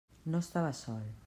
No estava sol.